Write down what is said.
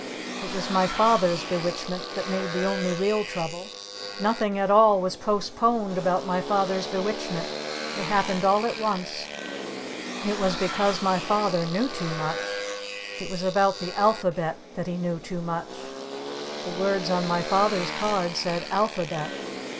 It was my Father's Bewitchment that made the only real trouble. Nothing at all was postponed about my Father's Bewitchment. It happened all at once. It was because my Father knew too much. It was about the Alphabet that he knew too much. The words on my Father's card said "ALPHABET."